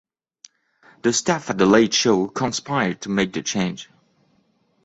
The staff at the "Late Show" conspired to make the change.